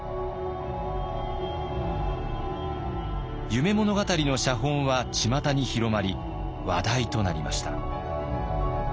「夢物語」の写本はちまたに広まり話題となりました。